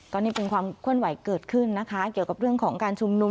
ก็นี่เป็นความเคลื่อนไหวเกิดขึ้นนะคะเกี่ยวกับเรื่องของการชุมนุม